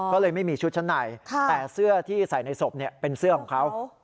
ก็เลยไม่มีชุดชั้นในแต่เสื้อที่ใส่ในศพเป็นเสื้อของเขา